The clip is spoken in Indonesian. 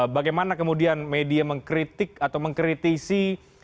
bagaimana kemudian media mengkritik atau mengkritisi